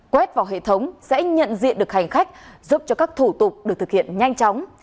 quét vào hệ thống sẽ nhận diện được hành khách giúp cho các thủ tục được thực hiện nhanh chóng